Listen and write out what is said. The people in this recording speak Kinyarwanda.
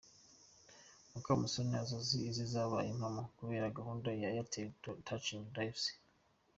Mukamusonera izozi ze zabaye impamo kubera gahunda ya Airtel Touching Lives.